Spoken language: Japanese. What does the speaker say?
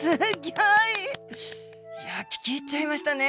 いや聞き入っちゃいましたね。